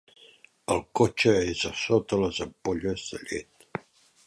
El cotxe és a sota les ampolles de llet.